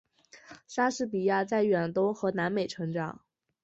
莎士比亚在远东和南美成长。